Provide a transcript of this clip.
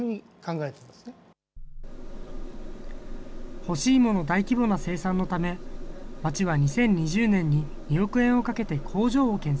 干しいもの大規模な生産のため、町は２０２０年に２億円をかけて工場を建設。